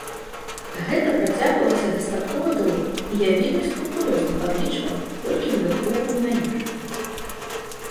Гэта працягвалася дастаткова доўга, і я вельмі скрупулёзна падлічвала, колькі выдаткоўваю на ежу.